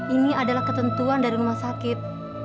ini adalah ketentuan dari rumah sakit